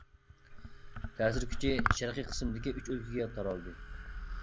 تەسىر كۈچى شەرقىي قىسىمدىكى ئۈچ ئۆلكىگە تارالدى.